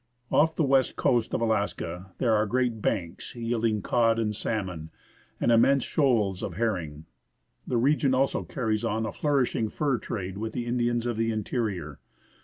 Off the west coast of Alaska there are great " banks " yielding cod and salmon, and immense shoals of herring. The region also carries on a flourishing fur trade with the Indians of the interior.